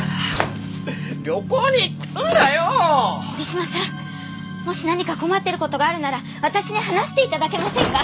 荻島さんもし何か困ってる事があるなら私に話して頂けませんか？